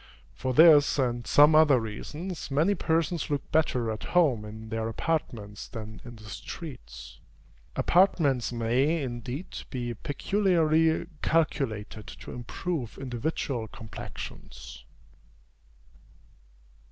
For this and some other reasons, many persons look better at home in their apartments than in the streets. Apartments may, indeed, be peculiarly calculated to improve individual complexions.